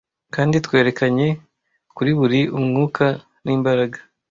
Kandi twerekanye, kuri buri, umwuka n'imbaraga;